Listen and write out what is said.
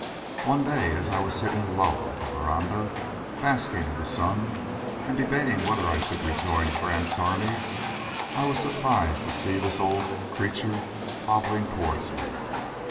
One day as I was sitting alone in the verandah, basking in the sun, and debating whether I should rejoin Grant's army, I was surprised to see this old creature hobbling towards me.